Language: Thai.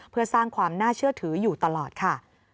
เพื่อสร้างความน่าเชื่อถืออยู่ตลอดค่ะ